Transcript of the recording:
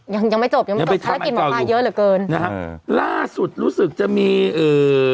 ยังยังไม่จบยังไม่จบภารกิจหมอปลาเยอะเหลือเกินนะฮะล่าสุดรู้สึกจะมีเอ่อ